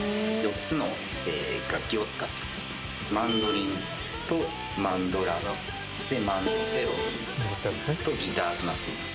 マンドリンとマンドラマンドセロとギターとなっています。